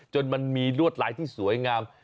มันมีลวดลายที่สวยงาม